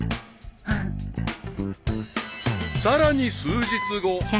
［さらに数日後］